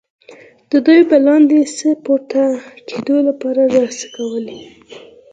دوی به له لاندې څخه د پورته کیدو لپاره رسۍ کارولې.